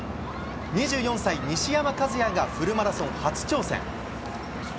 ２４歳、西山和弥がフルマラソン初挑戦。